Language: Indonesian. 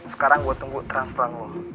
sekarang gue tunggu transferan lo